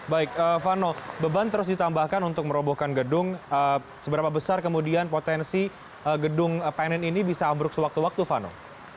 baik vano beban terus ditambahkan untuk merobohkan gedung seberapa besar kemudian potensi gedung panen ini bisa ambruk sewaktu waktu vano